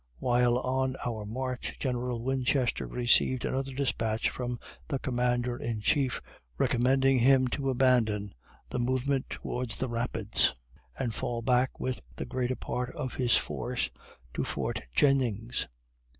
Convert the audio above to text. "While on our march, General Winchester received another despatch from the commander in chief, recommending him to abandon the movement towards the Rapids, and fall back with the greater part of his force to Fort Jennings.